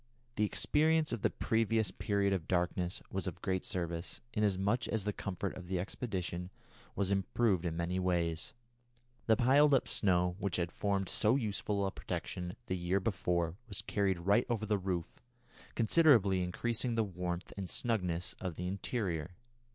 The experience of the previous period of darkness was of great service, inasmuch as the comfort of the expedition was improved in many ways. The piled up snow which had formed so useful a protection the year before was carried right over the roof, considerably increasing the warmth and snugness of the interior.